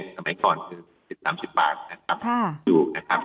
สมัยก่อนถึง๓๐บาทนะครับ